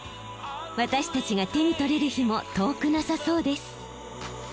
私たちが手に取れる日も遠くなさそうです。